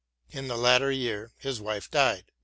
In the latter year his wife died.